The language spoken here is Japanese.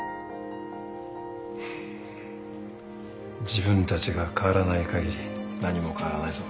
自分たちが変わらないかぎり何も変わらないぞ。